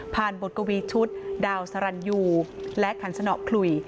บทกวีชุดดาวสรรยูและขันสนคลุย